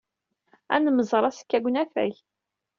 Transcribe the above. Ad nemmẓer azekka deg unafag.